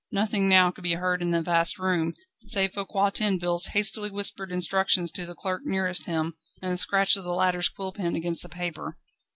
Nothing now could be heard in the vast room, save Foucquier Tinville's hastily whispered instructions to the clerk nearest to him, and the scratch of the latter's quill pen against the paper.